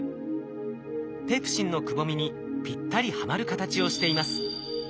ペプシンのくぼみにぴったりはまる形をしています。